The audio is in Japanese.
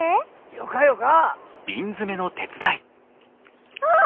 よかよか。